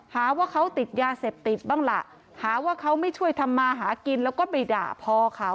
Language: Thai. หาว่าเขาติดยาเสพติดบ้างล่ะหาว่าเขาไม่ช่วยทำมาหากินแล้วก็ไปด่าพ่อเขา